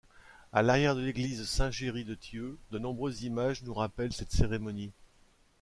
À l'arrière de l'église Saint-Géry de Thieu, de nombreuses images nous rappellent cette cérémonie.